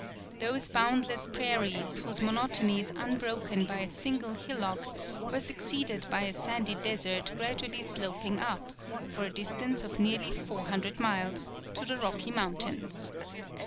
Those boundless prairies, whose monotony is unbroken by a single hillock, were succeeded by a sandy desert gradually sloping up, for a distance of nearly four hundred miles, to the Rocky Mountains.